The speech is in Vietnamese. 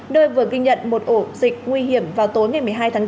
nơi vừa ghi nhận một ổ dịch nguy hiểm vào tối ngày một mươi hai tháng bốn